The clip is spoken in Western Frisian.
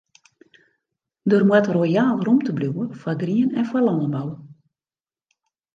Der moat royaal rûmte bliuwe foar grien en foar lânbou.